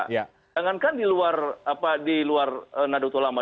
sedangkan di luar naduk tulama